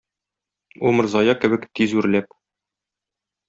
Умырзая кебек тиз үрләп...